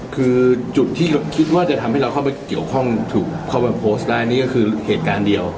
คือจุดที่คิดว่าจะทำให้เราเข้าไปเกี่ยวข้องถูกเข้าไปโพสต์ได้นี่ก็คือเหตุการณ์เดียว